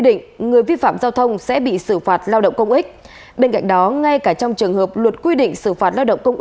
để kịp thời cứu nạn nhân mắc kẹt